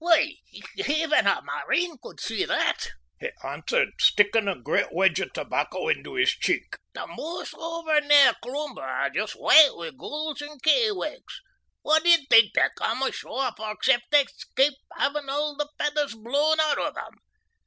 "Why, even a marine could see that," he answered, sticking a great wedge of tobacco into his cheek. "The moors over near Cloomber are just white wi' gulls and kittiewakes. What d'ye think they come ashore for except to escape having all the feathers blown out o' them?